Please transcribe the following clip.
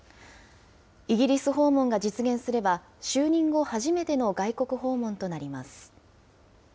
イギリス訪問が実現すれば、就任後初めての外国訪問となります。